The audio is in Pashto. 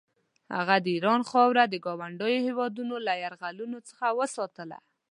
هغه د ایران خاوره د ګاونډیو هېوادونو له یرغلونو څخه وساتله.